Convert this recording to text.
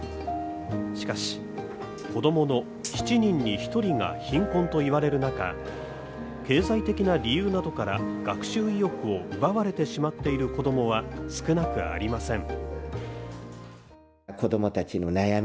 しかし、子供の７人に１人が貧困と言われる中、経済的な理由などから学習意欲を奪われてしまっている子供は少なくありません。